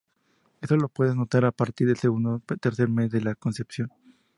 Esto lo puedes notar a partir del segundo al tercer mes de la concepción.